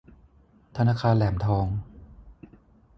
ธนาคารแหลมทอง